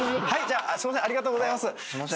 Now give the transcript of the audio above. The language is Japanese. ありがとうございます